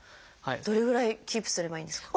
どれぐらいキープすればいいんですか？